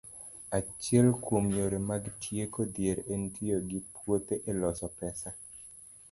Achiel kuom yore mag tieko dhier en tiyo gi puothe e loso pesa.